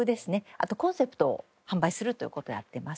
あとコンセプトを販売するという事をやってます。